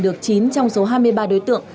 được chín trong số hai mươi ba đối tượng